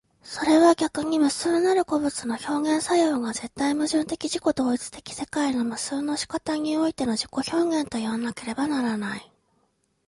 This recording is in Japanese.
それは逆に無数なる個物の表現作用が絶対矛盾的自己同一的世界の無数の仕方においての自己表現といわなければならない。